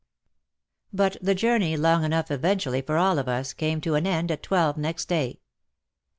But the journey, long enough eventually for all of us, came to an end at twelve next day.